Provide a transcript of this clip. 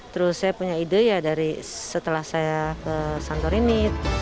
terus saya punya ide ya dari setelah saya ke kantor ini